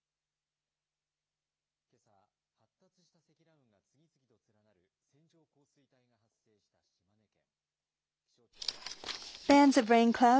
けさ、発達した積乱雲が次々と連なる線状降水帯が発生した島根県。